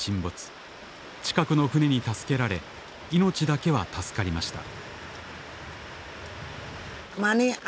近くの船に助けられ命だけは助かりました。